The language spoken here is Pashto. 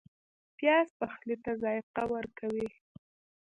پیاز پخلی ته ذایقه ورکوي